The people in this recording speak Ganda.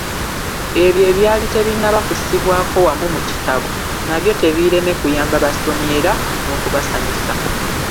Ebyo ebyali bitannaba kussibwako wamu mu kitabo, nabyo tebiireme kuyamba basomi era n'okubasanyusa.